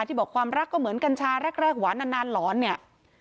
บอกความรักก็เหมือนกัญชาแรกหวานนานหลอนเนี่ย